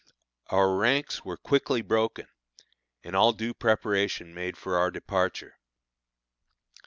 Our ranks were quickly broken, and all due preparation made for our departure.